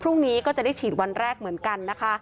พรุ่งนี้ก็จะได้ฉีดวันแรกเหมือนกันนะคะ